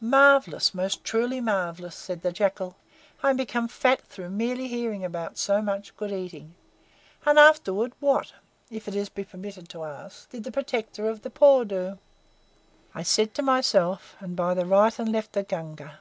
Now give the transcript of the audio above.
"Marvellous! Most truly marvellous!" said the Jackal. "I am become fat through merely hearing about so much good eating. And afterward what, if it be permitted to ask, did the Protector of the Poor do?" "I said to myself and by the Right and Left of Gunga!